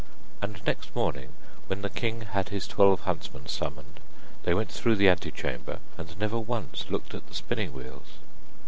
And next morning when the king had his twelve huntsmen summoned, they went through the ante chamber, and never once looked at the spinning wheels.